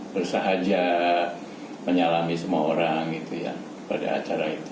bersahaja menyalami semua orang gitu ya pada acara itu